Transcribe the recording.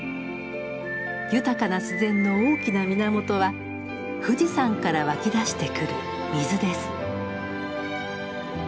豊かな自然の大きな源は富士山から湧き出してくる水です。